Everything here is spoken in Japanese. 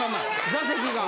座席が。